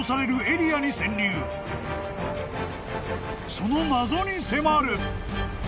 ［その謎に迫る］